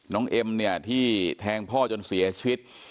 น้องเอ็มที่แทงพ่อจนเสียชีวิต